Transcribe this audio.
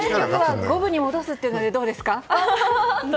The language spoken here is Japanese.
五分に戻すというのでどうですか。